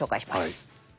はい。